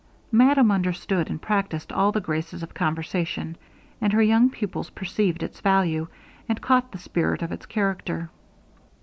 Madame understood and practised all the graces of conversation, and her young pupils perceived its value, and caught the spirit of its character.